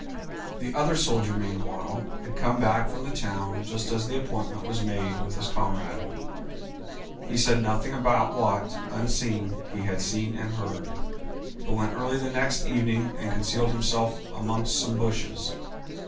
The other soldier meanwhile had come back from the town just as the appointment was made with his comrade. He said nothing about what, unseen, he had seen and heard, but went early the next evening and concealed himself amongst some bushes.